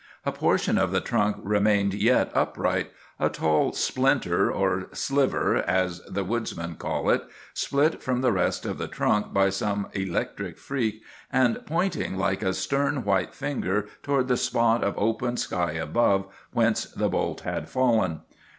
A portion of the trunk remained yet upright,—a tall splinter, or 'sliver' as the woodsmen call it, split from the rest of the trunk by some electric freak, and pointing like a stern white finger toward the spot of open sky above, whence the bolt had fallen.